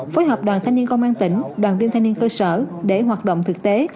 phối hợp đoàn thanh niên công an tỉnh đoàn viên thanh niên cơ sở để hoạt động thực tế